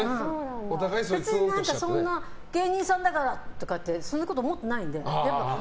別に芸人さんだからとかってそんなこと思ってないんで。